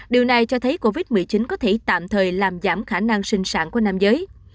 điều này cho thấy covid một mươi chín có thể tạm thời làm giảm khả năng sinh sản của nam giới